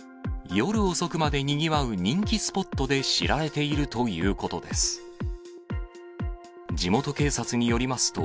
夜遅くまでにぎわう人気スポットで知られているということです。